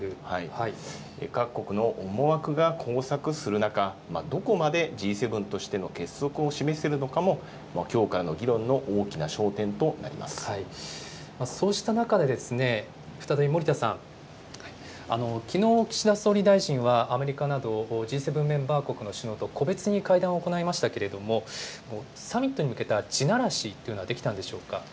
各国の思惑が交錯する中、どこまでＧ７としての結束を示せるのかもきょうからの議論の大きそうした中で、再び森田さん、きのう、岸田総理大臣は、アメリカなど、Ｇ７メンバー国の首脳と個別に会談を行いましたけれども、サミットに向けた地ならしというのはできたんでしょうか。